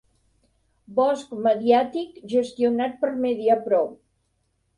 Bosc mediàtic gestionat per Mediapro.